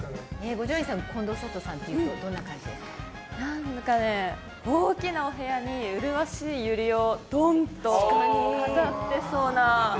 五条院さん近藤サトさんっていうと大きなお部屋に麗しいユリをドンと飾ってそうな。